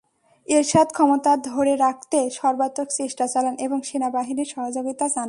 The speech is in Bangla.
এরশাদ ক্ষমতা ধরে রাখতে সর্বাত্মক চেষ্টা চালান এবং সেনাবাহিনীর সহযোগিতা চান।